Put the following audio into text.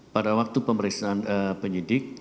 pada waktu pemeriksaan penyidik